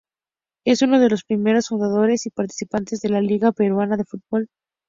Es uno de los primeros fundadores y participantes de la Liga Peruana de Fútbol.